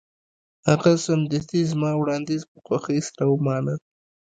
هغه سمدستي زما وړاندیز په خوښۍ سره ومانه